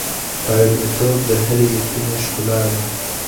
علمي توب د هرې لیکني ښکلا ده.